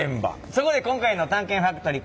そこで今回の「探検ファクトリー」